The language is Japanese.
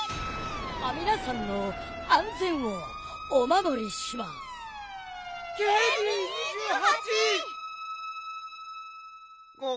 あみなさんのあんぜんをおまもりします。